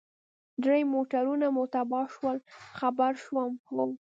درې موټرونه مو تباه شول، خبر شوم، هو.